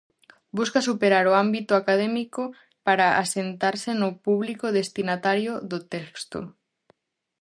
Busca superar o ámbito académico para asentarse no público destinatario do texto.